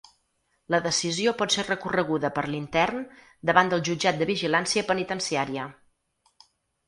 La decisió pot ser recorreguda per l’intern davant del jutjat de vigilància penitenciària.